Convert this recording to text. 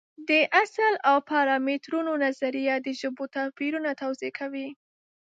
د اصل او پارامترونو نظریه د ژبو توپیرونه توضیح کوي.